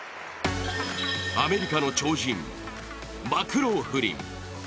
アメリカの超人マクローフリン。